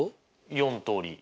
４通り。